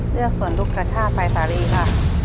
เลือกสวนลูกคชาติภัยสาลีค่ะ